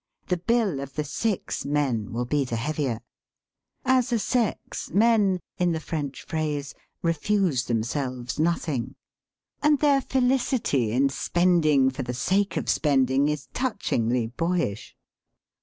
The bill of the six men will be the heavier. As a sex men, in the French phrase, refuse themselves nothing." And their felicity in spending for the sake of spending is touch ingly boyish.